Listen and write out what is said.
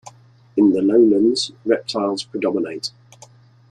In the lowlands, reptiles predominate.